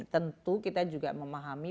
tentu kita juga memahami